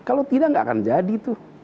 kalau tidak nggak akan jadi tuh